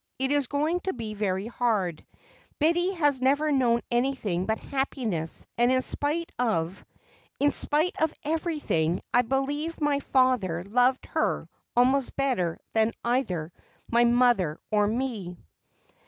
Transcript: It is going to be very hard; Betty has never known anything but happiness and in spite of in spite of everything, I believe my father loved her almost better than either my mother or me."